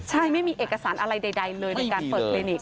ใช่ไม่มีเอกสารอะไรใดเลยในการเปิดคลินิก